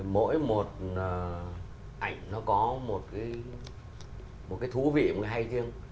mỗi một ảnh nó có một cái thú vị một cái hay thiêng